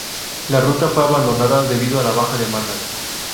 La ruta fue abandonada debido a la baja demanda.